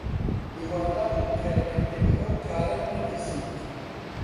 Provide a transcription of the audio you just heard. هیوادارم کە لە کردنی ئەو کارە نەترسیت.